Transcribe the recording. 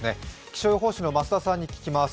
気象予報士の増田さんに聞きます。